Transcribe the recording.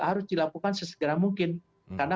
harus dilakukan sesegera mungkin karena